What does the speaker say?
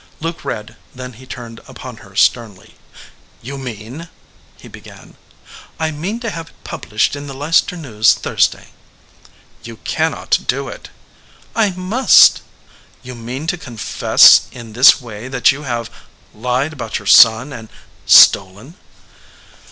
Luke read, then he turned upon her sternly. "You mean " he began. "I mean to have it published in the Leicester News Thursday." "You cannot do it." "I must." "You mean to confess in this way that you have lied about your son, and stolen?"